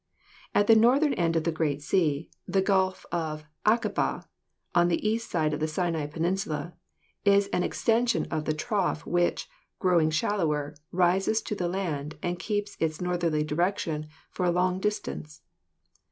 At the northern end of the Red Sea, the Gulf of Akabah, on the east side of the Sinai Peninsula, is an ex tension of the trough which, growing shallower, rises to the land and keeps its northerly direction for a long dis tance.